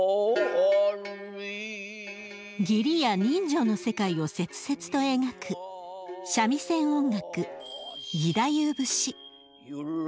辺り義理や人情の世界を切々と描く三味線音楽義太夫節。